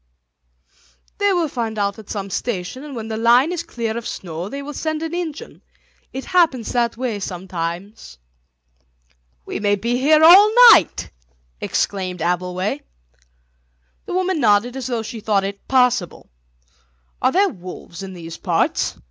"They will find out at some station, and when the line is clear of snow they will send an engine. It happens that way sometimes." "We may be here all night!" exclaimed Abbleway. The woman nodded as though she thought it possible. "Are there wolves in these parts?"